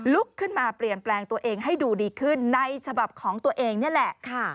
ลุกขึ้นมาเปลี่ยนแปลงตัวเองให้ดูดีขึ้นในฉบับของตัวเองนี่แหละ